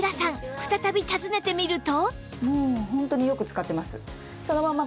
再び訪ねてみると